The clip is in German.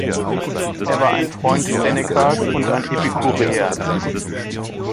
Er war ein Freund Senecas und ein Epikureer.